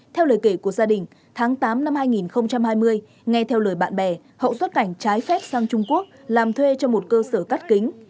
theo lời kể của gia đình tháng tám năm hai nghìn hai mươi nghe theo lời bạn bè hậu xuất cảnh trái phép sang trung quốc làm thuê cho một cơ sở cắt kính